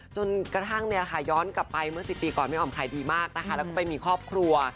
จนกระทั่งเนี่ยค่ะย้อนกลับไปเมื่อ๑๐ปีก่อนแม่อ๋อมขายดีมากนะคะแล้วก็ไปมีครอบครัว